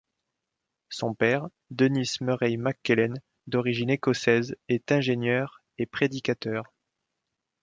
Son père, Denis Murray McKellen, d'origine écossaise, est ingénieur et prédicateur.